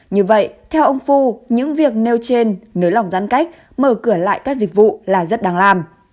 như vậy theo ông phu những việc nêu trên nới lỏng giãn cách mở cửa lại các dịch vụ là rất đáng làm